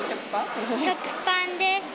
食パンです。